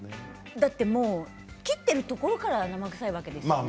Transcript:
だって切っているところから生臭いわけですよね。